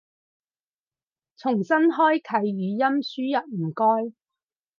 重新開啟語音輸入唔該